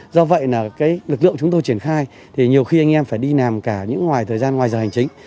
do vậy là lực lượng chúng tôi triển khai thì nhiều khi anh em phải đi nằm cả những thời gian ngoài giờ hành chính